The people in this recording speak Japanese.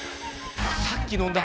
さっきのんだ